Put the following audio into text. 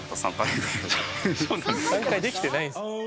「３回できてないんです」